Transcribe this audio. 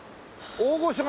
大御所が。